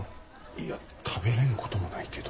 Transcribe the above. いや食べれんこともないけど。